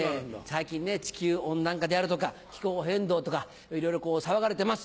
最近地球温暖化であるとか気候変動とかいろいろ騒がれてます。